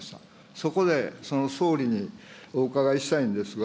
そこでその総理にお伺いしたいんですが、